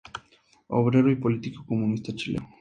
Obrero y político comunista chileno.